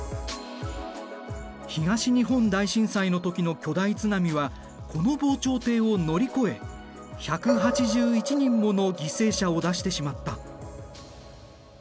東日本大震災の時の巨大津波はこの防潮堤を乗り越え１８１人もの犠牲者を出してしまった。